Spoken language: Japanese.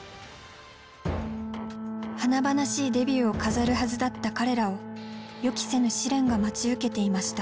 華々しいデビューを飾るはずだった彼らを予期せぬ試練が待ち受けていました。